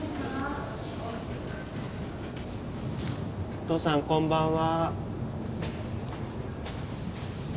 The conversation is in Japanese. おとうさんこんばんは。